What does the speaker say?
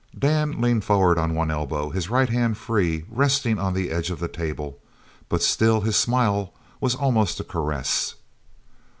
Dan leaned forward on one elbow, his right hand free and resting on the edge of the table, but still his smile was almost a caress.